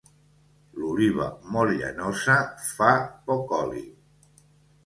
L'oliva molt llanosa fa poc oli.